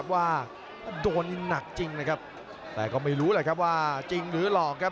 ว่าโดนนี่หนักจริงนะครับแต่ก็ไม่รู้แหละครับว่าจริงหรือหลอกครับ